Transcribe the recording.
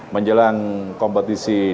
menjelang kompetisi di